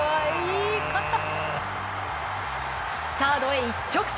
サードへ一直線。